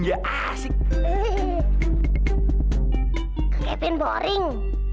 kak kevin boring